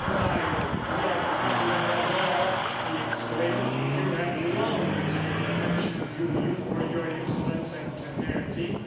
" Vile bloodhound of the law !" he exclaimed, " you have long escaped the punishment due to you for your insolence and temerity.